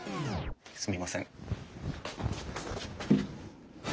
すみません。